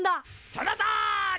そのとおり！